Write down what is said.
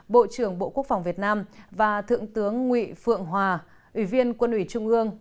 bộ trưởng bộ quốc phòng việt nam và thượng tướng nguyễn phượng hòa ủy viên quân ủy trung ương